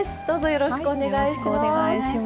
よろしくお願いします。